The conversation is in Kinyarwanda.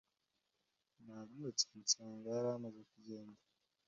Nabyutse nsanga yari amaze kugenda.